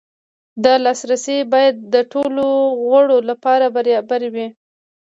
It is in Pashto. دا لاسرسی باید د ټولو غړو لپاره برابر وي.